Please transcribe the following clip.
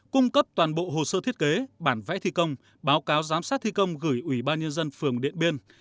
cung cấp toàn bộ hồ sơ thiết kế bản vẽ thi công báo cáo giám sát thi công gửi ủy ban nhân dân phường điện biên